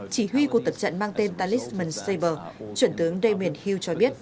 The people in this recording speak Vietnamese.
chỉ huy cuộc tập trận mang tên talisman sabre trưởng tướng damien hill cho biết